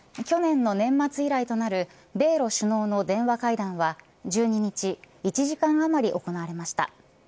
去年の年末以来となる米露首脳の電話会談は１２日１時間あまり行われました。